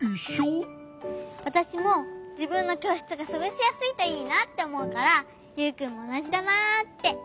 わたしもじぶんのきょうしつがすごしやすいといいなっておもうからユウくんもおなじだなって。